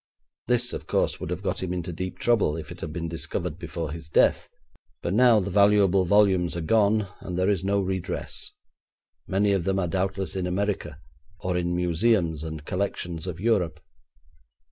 This, of course, would have got him into deep trouble if it had been discovered before his death, but now the valuable volumes are gone, and there is no redress. Many of them are doubtless in America, or in museums and collections of Europe.'